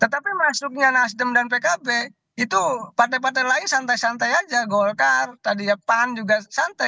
tetapi masuknya nasdem dan pkb itu partai partai lain santai santai aja golkar tadi ya pan juga santai